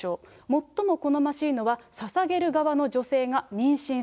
最も好ましいのはささげる側の女